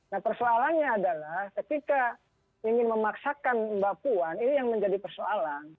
nah persoalannya adalah ketika ingin memaksakan mbak puan ini yang menjadi persoalan